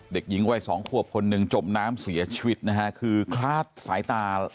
เด็กหญิงวัยสองขวบคนหนึ่งจมน้ำเสียชีวิตนะฮะคือคลาดสายตา